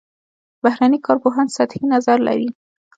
بهرني کارپوهان سطحي نظر لري.